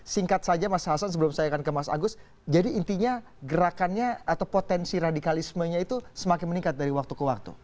singkat saja mas hasan sebelum saya akan ke mas agus jadi intinya gerakannya atau potensi radikalismenya itu semakin meningkat dari waktu ke waktu